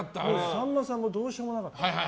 さんまさんもどうしようもなかった。